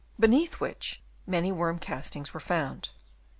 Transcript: beneath which many worm castings were found.